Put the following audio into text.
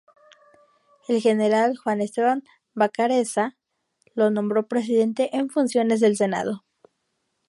El general Juan Esteban Vacarezza lo nombró presidente en funciones del Senado.